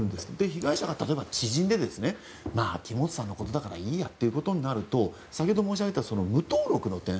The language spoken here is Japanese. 被害者が例えば、知人で木本さんのことだからいいやっていうことになると先ほど申し上げた無登録の点